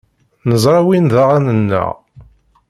Neẓra win d aɣan-nneɣ.